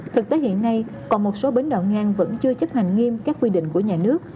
thực tế hiện nay còn một số bến đỏ ngang vẫn chưa chấp hành nghiêm các quy định của nhà nước